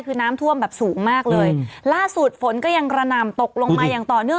คือน้ำท่วมแบบสูงมากเลยล่าสุดฝนก็ยังกระหน่ำตกลงมาอย่างต่อเนื่อง